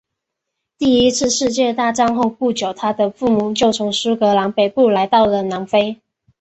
第一次世界大战后不久他的父母就从苏格兰北部来到了南非。